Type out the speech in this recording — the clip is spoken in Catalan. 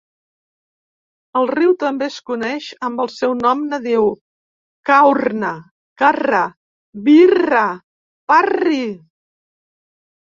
El riu també es coneix amb el seu nom nadiu kaurna "Karra wirra-parri".